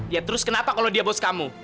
ya terus kenapa kalau dia bos kamu